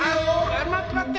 あまってまって！